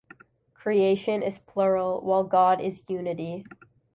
Creation is plural, while God is Unity.